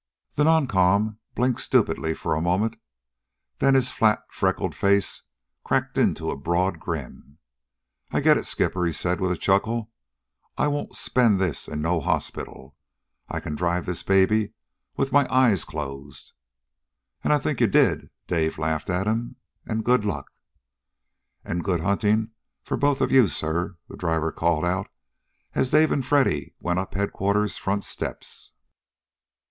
The non com blinked stupidly for a moment; then his flat, freckled face cracked in a broad grin. "I get it, Skipper," he said with a chuckle. "I won't spend this in no hospital. I can drive this baby with my eyes closed." "And I think you did!" Dave laughed at him. "And good luck." "And good hunting for both of you, sir!" the driver called out as Dave and Freddy went up Headquarters front steps.